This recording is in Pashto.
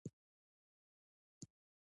په اوږد مزله کي به دي پر لار سم